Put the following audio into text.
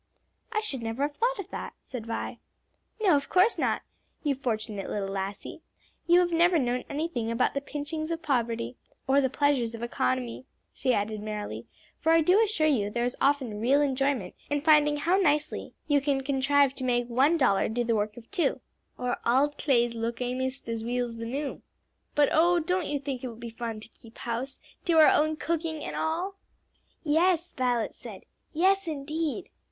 "I should never have thought of that," said Vi. "No, of course not, you fortunate little lassie; you have never known anything about the pinchings of poverty or the pleasures of economy," she added merrily, "for I do assure you there is often real enjoyment in finding how nicely you can contrive to make one dollar do the work of two or 'auld claes look amaist as weel's the new.' But oh, don't you think it will be fun to keep house, do our own cooking and all?" "Yes," Violet said; "yes, indeed."